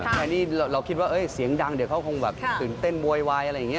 แต่นี่เราคิดว่าเสียงดังเดี๋ยวเขาคงแบบตื่นเต้นโวยวายอะไรอย่างนี้